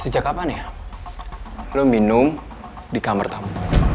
sejak kapan ya lo minum di kamar tamu